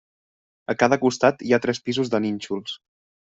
A cada costat hi ha tres pisos de nínxols.